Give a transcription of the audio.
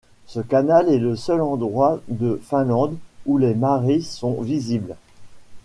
Ce canal est le seul endroit de Finlande où les marées sont visibles.